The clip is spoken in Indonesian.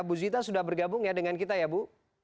bu zita sudah bergabung ya dengan kita ya bu